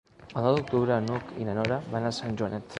El nou d'octubre n'Hug i na Nora van a Sant Joanet.